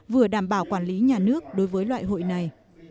vừa đảm bảo quản lý nhà nước đối với loại hội này